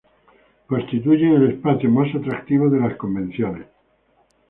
Constituyen el espacio más atractivo de las convenciones.